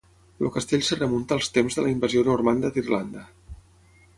El castell es remunta als temps de la Invasió normanda d'Irlanda.